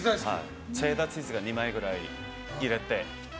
チェダーチーズが２枚ぐらい入って。